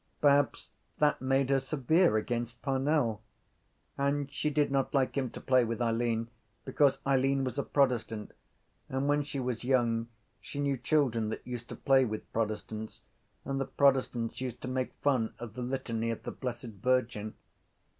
Perhaps that made her severe against Parnell. And she did not like him to play with Eileen because Eileen was a protestant and when she was young she knew children that used to play with protestants and the protestants used to make fun of the litany of the Blessed Virgin.